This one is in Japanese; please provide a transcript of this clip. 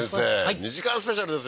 ２時間スペシャルですよ